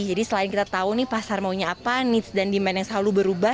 jadi selain kita tahu nih pasar maunya apa needs dan demand yang selalu berubah